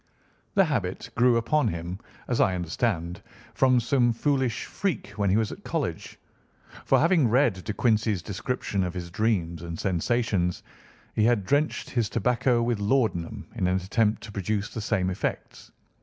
The habit grew upon him, as I understand, from some foolish freak when he was at college; for having read De Quincey's description of his dreams and sensations, he had drenched his tobacco with laudanum in an attempt to produce the same effects.